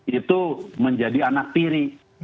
itu menjadi anak piri